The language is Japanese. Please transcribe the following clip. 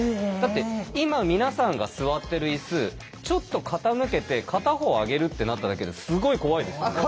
だって今皆さんが座ってる椅子ちょっと傾けて片方上げるってなっただけですごい怖いですよね。